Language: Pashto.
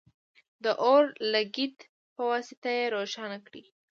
د اور لګیت په واسطه یې روښانه کړئ.